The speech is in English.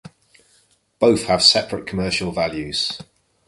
Both have separate commercial values.